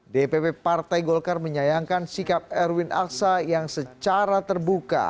dpp partai golkar menyayangkan sikap erwin aksa yang secara terbuka